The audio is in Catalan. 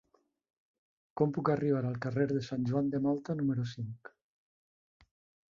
Com puc arribar al carrer de Sant Joan de Malta número cinc?